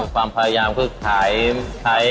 ก็เลยรับ๔๘อาทิตย์